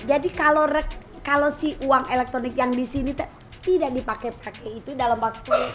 jadi kalau si uang elektronik yang disini tidak dipakai pakai itu dalam waktu